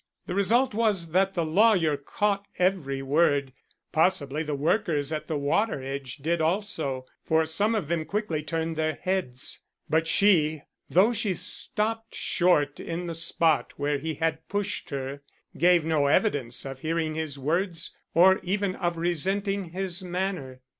The result was that the lawyer caught every word; possibly the workers at the water edge did also; for some of them quickly turned their heads. But she, though she stopped short in the spot where he had pushed her, gave no evidence of hearing his words or even of resenting his manner.